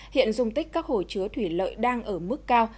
hiện dung tích các hồ chứa thủy lợi đang ở mức cao